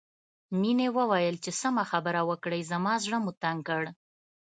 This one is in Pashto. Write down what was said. مينې وويل چې سمه خبره وکړئ زما زړه مو تنګ کړ